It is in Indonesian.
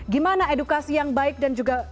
gimana edukasi yang baik dan juga